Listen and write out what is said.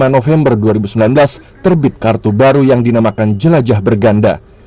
dua puluh november dua ribu sembilan belas terbit kartu baru yang dinamakan jelajah berganda